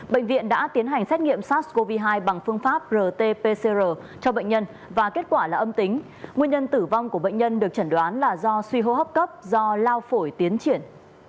bệnh viện đã tiến hành xét nghiệm sars cov hai bằng phương pháp rt pcr cho bệnh nhân và kết quả là âm tính nguyên nhân tử vong của bệnh nhân được chẩn đoán là do suy hô hấp cấp do lao phổi tiến triển